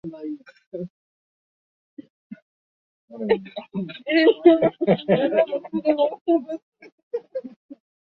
Miji ya Kirumi ilikuwa na vipengele vya mifumo ya usafi wa mazingira